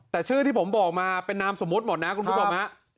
แต่ชื่อที่ผมบอกมาเป็นนามสมมุติหมดนะคุณผู้ชมฮะ